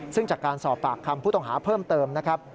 ซึ่งจากการสอบปากคำผู้ต้องหาเพิ่มเติมนะครับ